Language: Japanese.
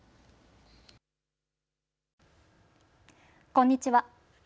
こんにちは。